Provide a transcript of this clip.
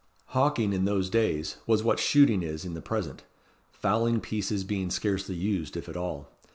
Hawking, in those days, was what shooting is in the present; fowling pieces being scarcely used, if at all.